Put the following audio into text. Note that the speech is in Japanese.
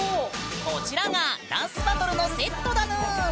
こちらがダンスバトルのセットだぬん！